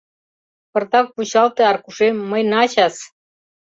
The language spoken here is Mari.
— Пыртак вучалте, Аркушем, мый начас...